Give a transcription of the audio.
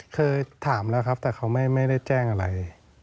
เคยถามแล้วครับแต่เขาไม่ได้แจ้งอะไร